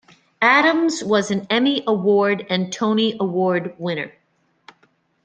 Adams was an Emmy Award and Tony Award winner.